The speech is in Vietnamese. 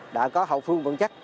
đã có hậu phương vững chắc